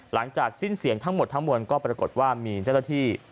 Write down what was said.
หลังจากสิ้นเสียงทั้งหมดทั้งมวลก็ปรากฏว่ามีเจ้าหน้าที่